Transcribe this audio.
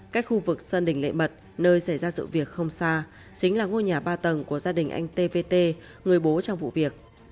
cách khu vực sân đình lệ mật nơi xảy ra sự việc không xa chính là ngôi nhà ba tầng của gia đình anh tvt người bố trong vụ việc